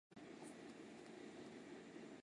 大白藤为棕榈科省藤属下的一个种。